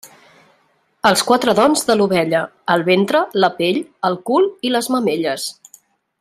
Els quatre dons de l'ovella: el ventre, la pell, el cul i les mamelles.